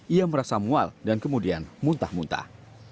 ia merasa mual dan kemudian muntah muntah